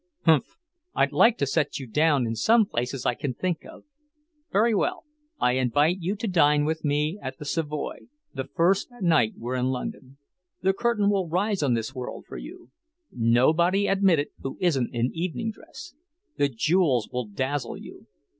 "Umph! I'd like to set you down in some places I can think of. Very well, I invite you to dine with me at the Savoy, the first night we're in London. The curtain will rise on this world for you. Nobody admitted who isn't in evening dress. The jewels will dazzle you.